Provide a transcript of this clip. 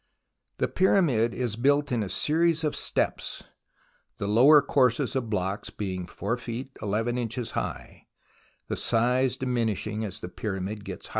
The Pyramid is built in a series of steps, the lower courses of blocks being 4 feet 11 inches high, the size diminishing as the Pyramid gets higher.